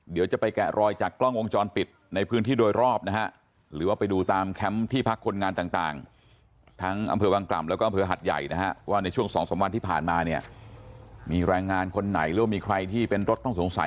เดี๋ยวจะไปแกะรอยจากกล้องวงจรปิดในพื้นที่โดยรอบนะฮะ